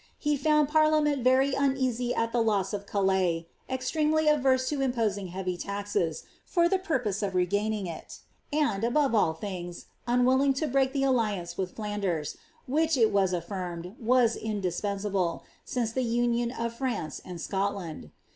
He found parliament very uneasy it llie loss of Calais, extremely averse to imposing heavy taxes, for the purpose of regaining it, and, above all things, unwilling to break the alliance with Flanders, which, it was affirmed, was indispensable, since the union of France and Scotland.